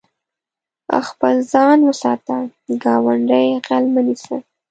خپل ځان وساته، ګاونډی غل مه نيسه.